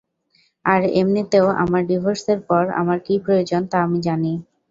আর এমনেতেও, আমার ডিভোর্সের পর আমার কী প্রয়োজন তা আমি জানি।